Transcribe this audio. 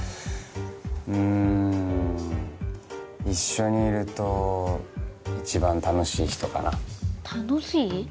うん一緒にいると一番楽しい人かな楽しい？